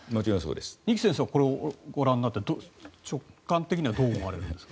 二木先生はこれをご覧になって直感的にどうですか？